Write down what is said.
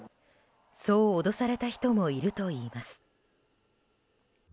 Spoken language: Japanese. そう脅された人もいるといいます。